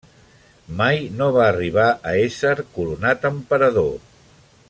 Mai no va arribar a ésser coronat emperador.